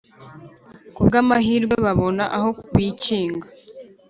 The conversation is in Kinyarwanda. kubw'amahirwe babona aho bikinga,